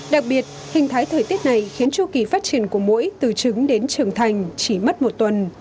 đặc biệt hình thái thời tiết này khiến chu kỳ phát triển của mũi từ trứng đến trưởng thành chỉ mất một tuần